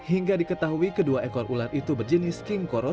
hingga diketahui kedua ekor ular itu berjenis king coro